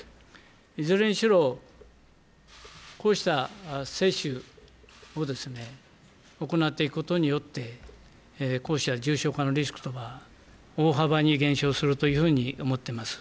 いずれにしろ、こうした接種を行っていくことによって、こうした重症化のリスクというのは大幅に減少するというふうに思っています。